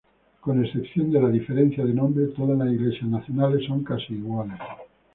Con excepción de la diferencia de nombre, todas las iglesias nacionales son casi iguales.